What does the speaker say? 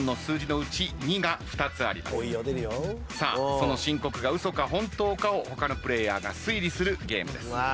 その申告が嘘か本当かを他のプレーヤーが推理するゲームです。